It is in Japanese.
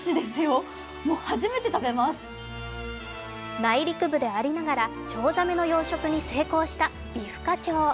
内陸部でありながら、チョウザメの養殖に成功した美深町。